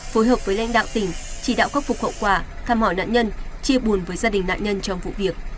phối hợp với lãnh đạo tỉnh chỉ đạo khắc phục hậu quả thăm hỏi nạn nhân chia buồn với gia đình nạn nhân trong vụ việc